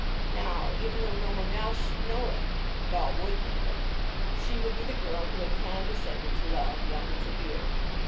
Now, even though no one else should know it, and all would know it, she would be the girl who had condescended to love young Tregear.